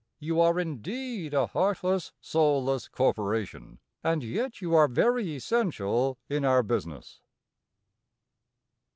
You are indeed a heartless, soulless corporation, and yet you are very essential in our business.